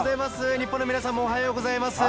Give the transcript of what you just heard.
日本の皆さんもおはようございます。